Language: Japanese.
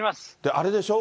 あれでしょう？